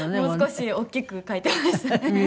もう少し大きく書いてましたね。